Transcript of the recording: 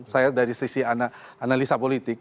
saya dari sisi analisa politik